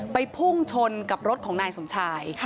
พุ่งชนกับรถของนายสมชาย